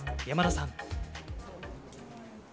山田さん。